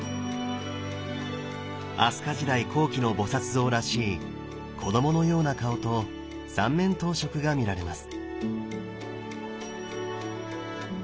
飛鳥時代後期の菩像らしい子どものような顔と三面頭飾が見られます。